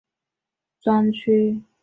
属聊城专区。